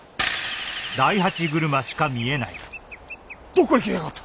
どこへ消えやがった！